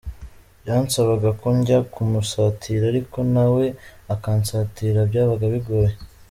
Byansabaga ko njya kumusatira ariko na we akansatira, byabaga bigoye.